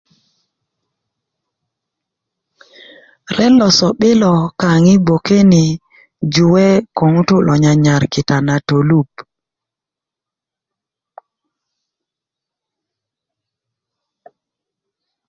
ret lo so'bi lo kayaŋ i gboke ni juwe ko ŋutu' lo nyanyar kita na tolup